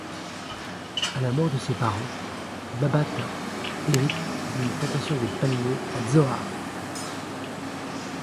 À la mort de ses parents, Babatha hérite d'une plantation de palmiers à Tzoar.